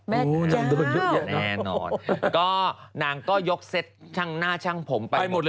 นางโดนเยอะแน่นอนก็นางก็ยกเซตช่างหน้าช่างผมไปหมดเลย